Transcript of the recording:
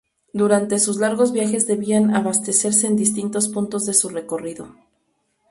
Durante sus largos viajes debían abastecerse en distintos puntos de su recorrido.